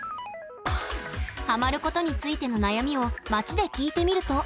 ハマることについての悩みを街で聞いてみると。